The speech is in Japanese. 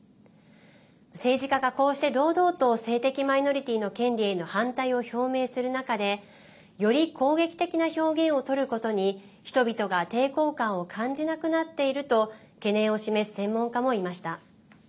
政治家が、こうして堂々と性的マイノリティーの権利への反対を表明する中でより攻撃的な表現をとることに人々が抵抗感を感じなくなっていると懸念を示す専門家もいました。